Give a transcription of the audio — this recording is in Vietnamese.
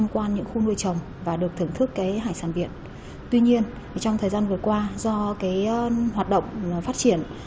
quảng ninh vừa qua do hoạt động phát triển